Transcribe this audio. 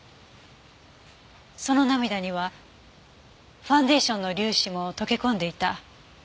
その涙にはファンデーションの粒子も溶け込んでいた。